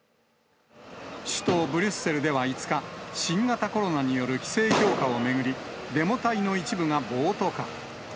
首都ブリュッセルでは５日、新型コロナによる規制強化を巡り、デモ隊の一部が暴徒化。